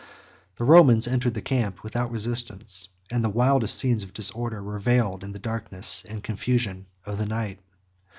The Romans entered the camp without resistance; and the wildest scenes of disorder were veiled in the darkness and confusion of the night.